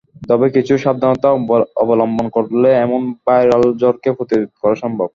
তবে কিছু সাবধানতা অবলম্বন করলে এমন ভাইরাল জ্বরকে প্রতিরোধ করা সম্ভব।